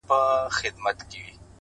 زما مرور فکر به څه لفظونه وشرنگوي ـ